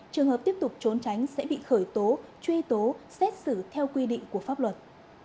trường hợp tiếp tục trốn tránh sẽ bị khởi tố truy tố xét xử theo quy định của pháp luật